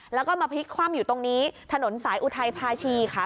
แล้วก็มาพลิกคว่ำอยู่ตรงนี้ถนนสายอุทัยภาชีค่ะ